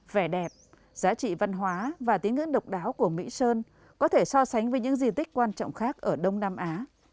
vẻ đẹp giá trị văn hóa và tín ngưỡng độc đáo của mỹ sơn có thể so sánh với những di tích quan trọng khác ở đông nam á